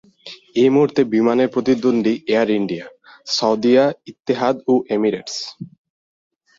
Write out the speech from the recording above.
এই মুহূর্তে বিমানের প্রতিদ্বন্দ্বী এয়ার ইন্ডিয়া, সাউদিয়া, ইত্তেহাদ ও এমিরেটস।